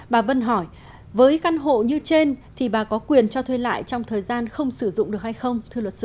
bà vân hỏi với căn hộ như trên thì bà có quyền cho thuê lại trong thời gian không sử dụng được hay không